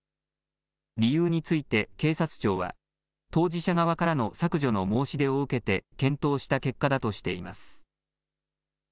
理由について、警察庁は当事者側からの削除の申し出を受けて検討した結果だとしています。